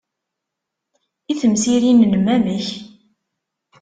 I temsirin-nnem, amek?